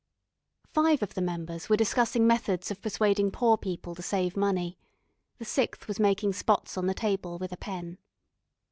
Five of the members were discussing methods of persuading poor people to save money. The sixth was making spots on the table with a pen.